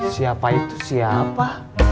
siapa itu siapa